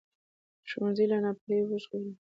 ښوونځی له ناپوهۍ وژغوري